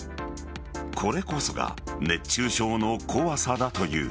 これこそが熱中症の怖さだという。